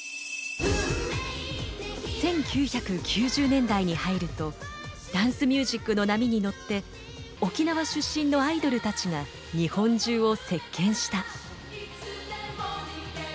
１９９０年代に入るとダンスミュージックの波に乗って沖縄出身のアイドルたちが日本中を席けんした。